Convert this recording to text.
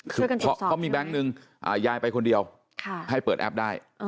ช่วยกันตรวจสอบใช่ไหมครับคุณยายไปคนเดียวให้เปิดแอปได้